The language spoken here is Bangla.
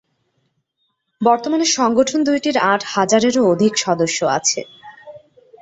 বর্তমানে, সংগঠন দুইটির আট হাজারেরও অধিক সদস্য আছে।